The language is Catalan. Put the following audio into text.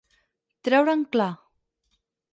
Treure en clar.